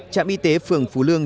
trạm y tế phường phú lương